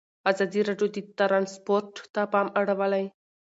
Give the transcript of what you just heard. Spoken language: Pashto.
ازادي راډیو د ترانسپورټ ته پام اړولی.